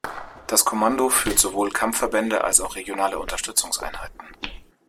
Das Kommando führt sowohl Kampfverbände, als auch regionale Unterstützungseinheiten.